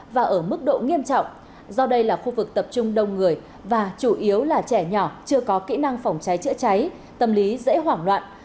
và ở mức độ nghiêm trọng do đây là khu vực tập trung đông người và chủ yếu là trẻ nhỏ chưa có kỹ năng phòng cháy chữa cháy tâm lý dễ hoảng loạn